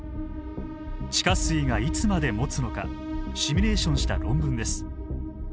地下水がいつまでもつのかシミュレーションした論文です。